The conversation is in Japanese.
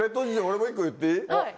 俺も１個言っていい？